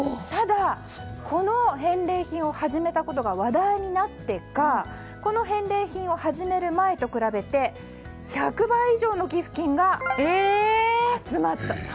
ただ、この返礼品を始めたことが話題になってかこの返礼品を始める前と比べると１００倍以上の寄付金が集まったと。